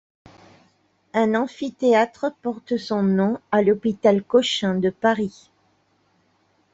Un amphithéâtre porte son nom à l'hôpital Cochin de Paris.